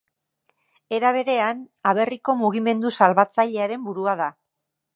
Era berean, Aberriko Mugimendu Salbatzailearen burua da.